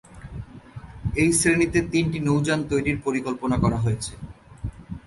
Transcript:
এই শ্রেণিতে তিনটি নৌযান তৈরির পরিকল্পনা করা হয়েছে।